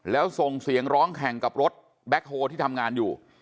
แล้วส่งเสียงร้องแข่งกับรถแบ็คโฮที่ทำงานอยู่